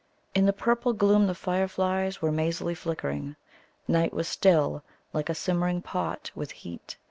In the purple gloom the fireflies were mazily flickering. Night was still, like a simmering pot, with heat.